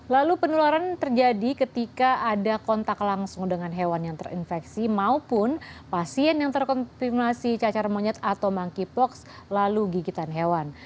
lalu penularan terjadi ketika ada kontak langsung dengan hewan yang terinfeksi maupun pasien yang terkonfirmasi cacar monyet atau monkeypox lalu gigitan hewan